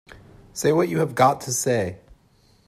Say what you have got to say!